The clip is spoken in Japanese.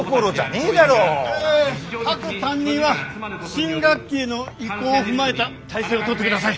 ええ各担任は新学期への移行を踏まえた体制を取ってください。